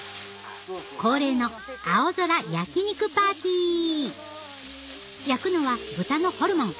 恒例の青空焼き肉パーティー焼くのは豚のホルモン